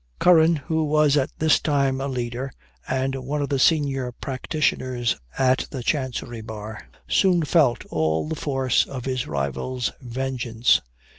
Curran, who was at this time a leader, and one of the senior practitioners at the Chancery Bar, soon felt all the force of his rival's vengeance.